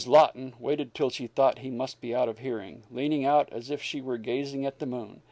Laughton waited till she thought he must be out of hearing, leaning out as if she were gazing at the moon.